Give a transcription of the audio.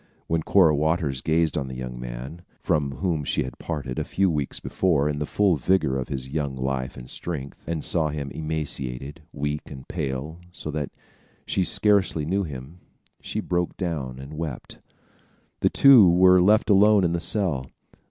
When Cora Waters gazed on the young man, from whom she had parted a few weeks before in the full vigor of his young life and strength, and saw him emaciated, weak and pale, so that she scarcely knew him, she broke down and wept. The two were left alone in the cell.